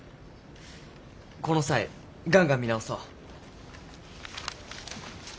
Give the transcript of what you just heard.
この際ガンガン見直そう。